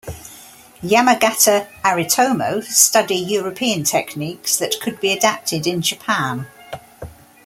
Yamagata Aritomo study European techniques that could be adapted in Japan.